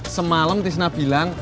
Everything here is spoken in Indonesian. semalam tisna bilang